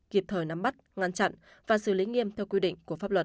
kịp thời nắm bắt ngăn chặn và xử lý nghiêm theo quy định của pháp luật